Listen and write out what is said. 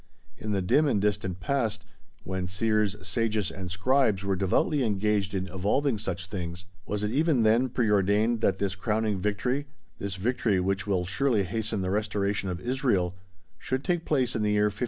In the dim and distant past, when seers, sages, and scribes were devoutly engaged in evolving such things, was it even then pre ordained that this crowning victory this victory which will surely hasten the restoration of Israel should take place in the year 5679?